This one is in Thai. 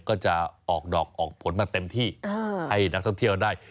ก็จะออกดอกออกผลมาเต็มที่ให้นักท่องเที่ยวได้